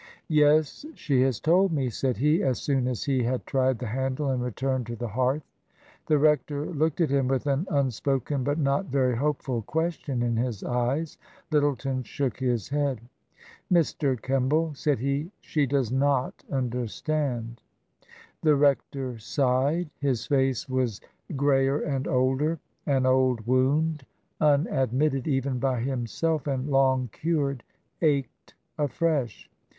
" Yes : she has told me," said he, as soon as he had tried the handle and returned to the hearth. The rector looked at him with an unspoken but not very hopeful question in his eyes. Lyttleton shook his head. " Mr. Kemball," said he, " she does not understand." The rector sighed; his face was grayer and older. An old wound — unadmitted even by himself and long cured — ached afresh.